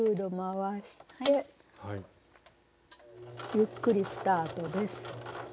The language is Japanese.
ゆっくりスタートです。